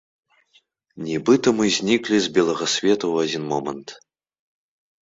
Нібыта мы зніклі з белага свету ў адзін момант!